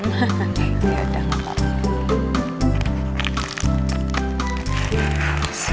oke udah makasih